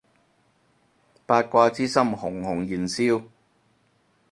八卦之心熊熊燃燒